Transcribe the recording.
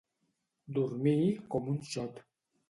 Dormir com un xot.